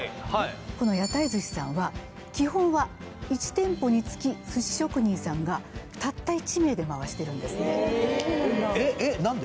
この「や台ずし」さんは基本は１店舗につき寿司職人さんがたった１名で回してるんですねえっえっ何で？